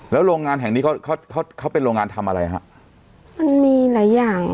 แล้วโรงงานแห่งนี้เขาเขาเป็นโรงงานทำอะไรฮะมันมีหลายอย่าง